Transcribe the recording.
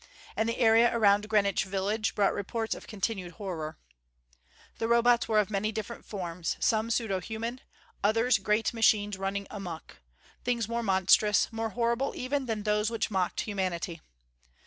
And the area around Greenwich Village brought reports of continued horror. The Robots were of many different forms; some pseudo human; others, great machines running amuck things more monstrous, more horrible even, than those which mocked humanity.